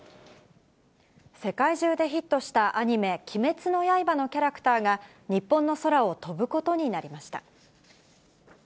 世界中でヒットしたアニメ、鬼滅の刃のキャラクターが、日本の空を飛ぶことになりました。